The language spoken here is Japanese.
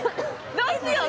どうしよう！